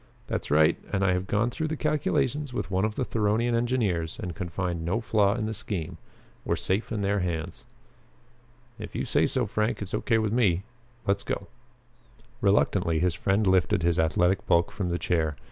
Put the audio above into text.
"That's right. And I have gone through the calculations with one of the Theronian engineers and can find no flaw in the scheme. We're safe in their hands." "If you say so, Frank, it's okay with me. Let's go!" Reluctantly his friend lifted his athletic bulk from the chair.